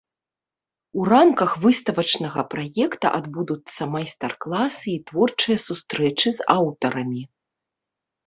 У рамках выставачнага праекта адбудуцца майстар-класы і творчыя сустрэчы з аўтарамі.